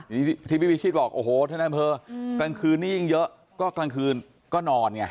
ทีนี้ที่พี่พิชิตบอกโอ้โหท่านนายอำเภอกลางคืนนี้ยิ่งเยอะก็กลางคืนก็นอนไง